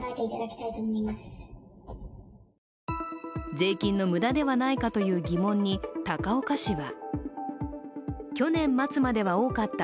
税金の無駄ではないかという疑問に高岡市は？